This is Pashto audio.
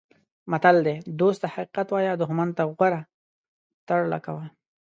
متل دی: دوست ته حقیقت وایه دوښمن ته غوره ترړه کوه.